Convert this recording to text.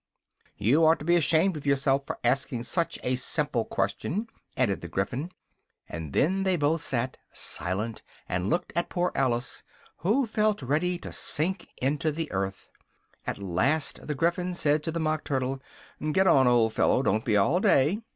"You ought to be ashamed of yourself for asking such a simple question," added the Gryphon, and then they both sat silent and looked at poor Alice, who felt ready to sink into the earth: at last the Gryphon said to the Mock Turtle, "get on, old fellow! Don't be all day!"